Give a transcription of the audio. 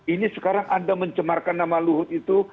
ini sekarang anda mencemarkan nama luhut itu